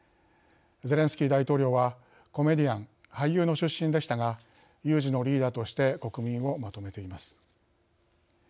ゼレンスキー大統領はコメディアン、俳優の出身でしたが有事のリーダーとして国民をまとめています。